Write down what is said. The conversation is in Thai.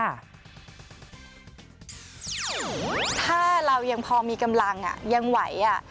ถ้าเรายังพอมีกำลังยังไหว